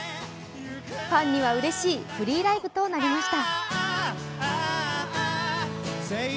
ファンにはうれしいフリーライブとなりました。